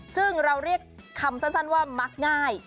ซึ่งเราเรียกคำสั้นว่ามักง่าย